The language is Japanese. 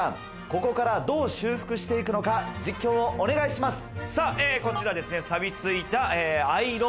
ここからどう修復して行くか実況をお願いします。